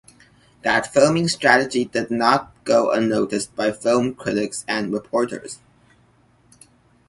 That filming strategy did not go unnoticed by film critics and reporters.